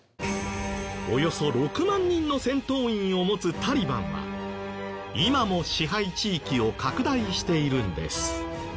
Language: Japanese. およそ６万人の戦闘員を持つタリバンは今も支配地域を拡大しているんです。